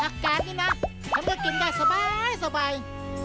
แกงนี่นะมันก็กินได้สบาย